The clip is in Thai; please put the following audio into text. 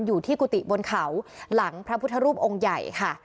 อยู่ที่กุฏิบนเขาหลังพระพุทธรูปองค์ใหญ่ค่ะ